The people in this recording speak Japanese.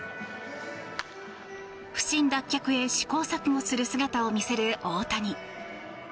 不振脱却へ試行錯誤する姿を見せる大谷。